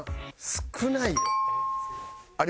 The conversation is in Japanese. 少ないよ。